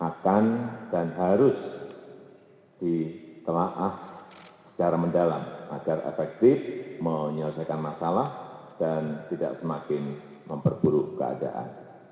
akan dan harus ditelaah secara mendalam agar efektif menyelesaikan masalah dan tidak semakin memperburuk keadaan